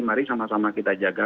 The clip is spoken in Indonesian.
mari sama sama kita jaga